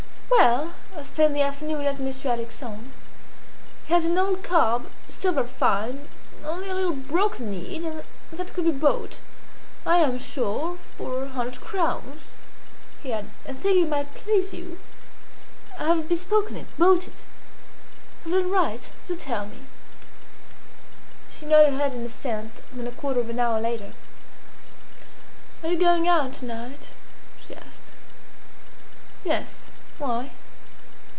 "Well, I spent the afternoon at Monsieur Alexandre's. He has an old cob, still very fine, only a little broken kneed, and that could be bought; I am sure, for a hundred crowns." He added, "And thinking it might please you, I have bespoken it bought it. Have I done right? Do tell me?" She nodded her head in assent; then a quarter of an hour later "Are you going out to night?" she asked. "Yes. Why?"